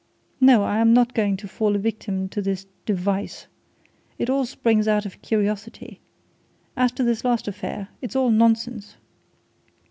No! I am not going to fall a victim to this device it all springs out of curiosity. As to this last affair it's all nonsense!"